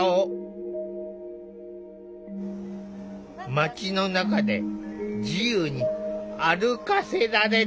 街の中で自由に歩かせられること。